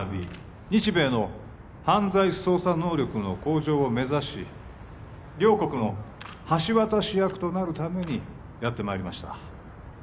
日米の犯罪捜査能力の向上を目指し両国の橋渡し役となるためにやってまいりました